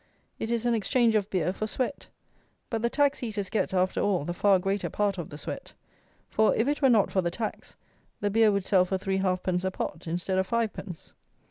It is an exchange of beer for sweat; but the tax eaters get, after all, the far greater part of the sweat; for, if it were not for the tax, the beer would sell for three halfpence a pot instead of fivepence.